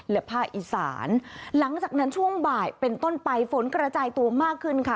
และภาคอีสานหลังจากนั้นช่วงบ่ายเป็นต้นไปฝนกระจายตัวมากขึ้นค่ะ